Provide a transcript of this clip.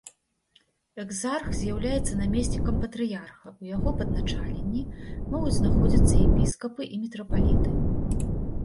Экзарх з'яўляецца намеснікам патрыярха, у яго падначаленні могуць знаходзіцца епіскапы і мітрапаліты.